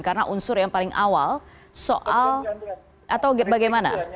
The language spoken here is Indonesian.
karena unsur yang paling awal soal atau bagaimana